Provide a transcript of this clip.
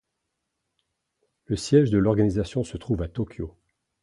Le siège de l'organisation se trouve à Tokyo.